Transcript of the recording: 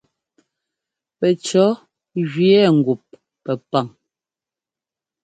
Pɛcʉ̈ jʉɛ ŋgup Pɛpaŋ.